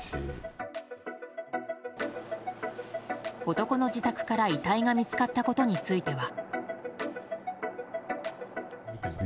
男の自宅から遺体が見つかったことについては。